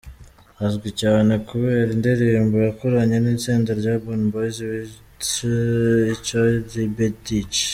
Azwi cyane kubera indirimbo yakoranye n’itsinda rya Urban Boys bise ’Ich liebe dich’.